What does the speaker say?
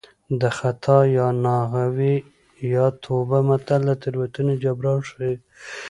د خطا یا ناغه وي یا توبه متل د تېروتنې جبران ښيي